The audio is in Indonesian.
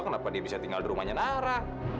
kenapa dia bisa tinggal di rumahnya nara